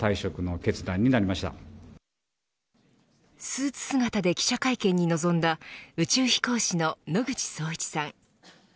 スーツ姿で記者会見に臨んだ宇宙飛行士の野口聡一さん。